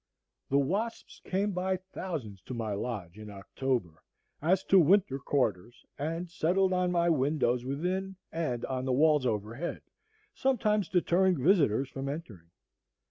The wasps came by thousands to my lodge in October, as to winter quarters, and settled on my windows within and on the walls over head, sometimes deterring visitors from entering.